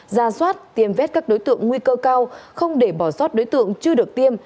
ra soát tiêm vét các đối tượng nguy cơ cao không để bỏ soát đối tượng chưa được tiêm